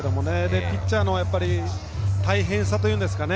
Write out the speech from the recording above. ピッチャーの大変さというんですかね